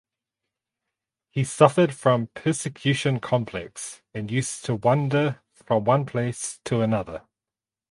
He suffered from Persecution Complex and used to wander from one place to another.